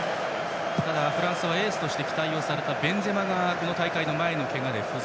フランスのエースとして期待をされたベンゼマがこの大会の前のけがで不在。